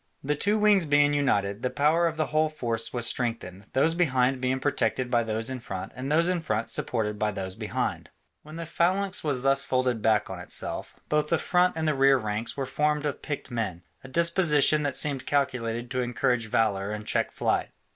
The two wings being united, the power of the whole force was strengthened, those behind being protected by those in front and those in front supported by those behind. When the phalanx was thus folded back on itself, both the front and the rear ranks were formed of picked men, a disposition that seemed calculated to encourage valour and check flight.